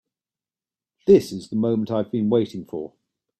This is the moment I have been waiting for.